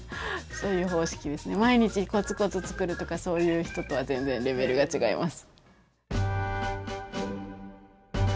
毎日コツコツ作るとかそういう人とは全然レベルが違います。